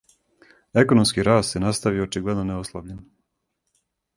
Економски раст се наставио, очигледно неослабљен.